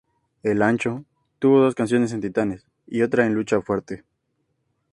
El "Ancho" tuvo dos canciones en "Titanes" y otra en "Lucha fuerte".